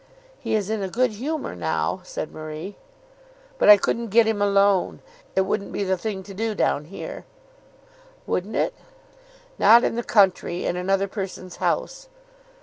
"He is in a good humour now," said Marie. "But I couldn't get him alone. It wouldn't be the thing to do down here." "Wouldn't it?" "Not in the country, in another person's house.